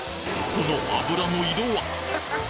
この油の色は？